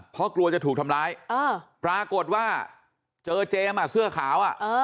เพราะกลัวจะถูกทำร้ายปรากฏว่าเจอเจมส์เสื้อขาว